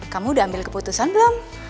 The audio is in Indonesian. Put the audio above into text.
kamu udah ambil keputusan belum